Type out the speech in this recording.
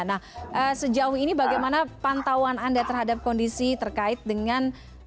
nah sejauh ini bagaimana pantauan anda terhadap kondisi terkait dengan